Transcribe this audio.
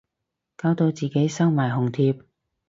搞到自己收埋紅帖